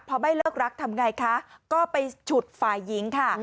พอไม่เลิกรักทำไงคะก็ไปฉุดฝ่ายหญิงค่ะ